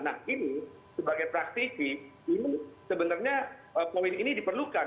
nah ini sebagai praktisi ini sebenarnya poin ini diperlukan